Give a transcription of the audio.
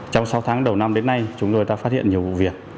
trong sáu tháng đầu năm đến nay chúng tôi đã phát hiện nhiều vụ việc